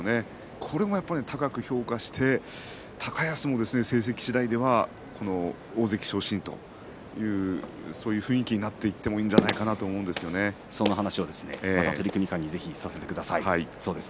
これもやっぱり高く評価して高安も成績次第では大関昇進とそういう雰囲気になっていってもいいんじゃないかなとその話はまた取組間にさせてください。